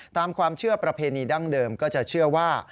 ตามความเชื่อประเพณีดั้งเดิมก็จะเชื่อว่า